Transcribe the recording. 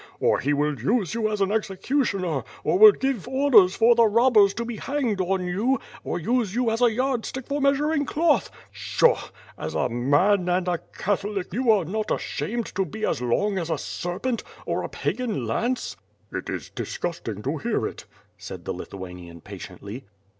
Or he will use you as an executioner, or will give orders for the robbers to be hanged on you, or use you as a yard stick for measuring cloth. Pshaw! As a man and a Catholic, you are not ashamed to be as long as a serpent, or a Pagan lance?" "It is disgusting to hear it," said the Lithuanian patiently.